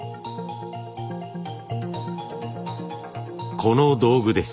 この道具です。